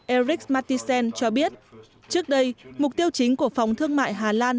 eric mathisen cho biết trước đây mục tiêu chính của phòng thương mại hà lan